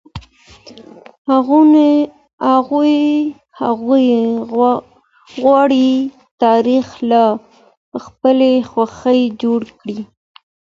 هغوی غواړي تاريخ له خپلي خوښې جوړ کړي.